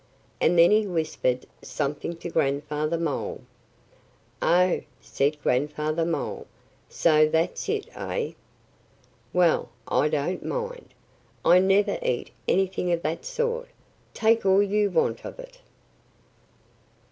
And then he whispered something to Grandfather Mole. "Oh!" said Grandfather Mole. "So that's it, eh? Well, I don't mind. I never eat anything of that sort. Take all you want of it!"